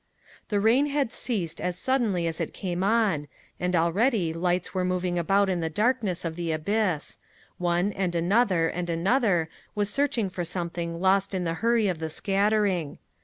The rain had ceased as suddenly as it came on, and already lights were moving about in the darkness of the abyss one, and another, and another, was searching for something lost in the hurry of the scattering.